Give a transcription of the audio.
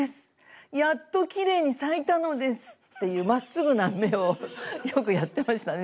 「やっと綺麗に咲いたのです」っていうまっすぐな目をよくやってましたね